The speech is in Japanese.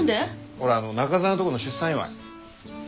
ほらあの仲澤のとこの出産祝い。